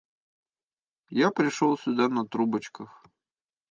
Я пришёл сюда на трубочках.